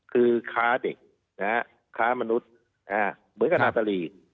คือค้าเด็กค้ามนุษย์เหมือนกับนาตาลี